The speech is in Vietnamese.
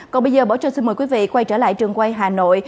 còn bây giờ bỏ chân xin mời quý vị quay trở lại trường quay hà nội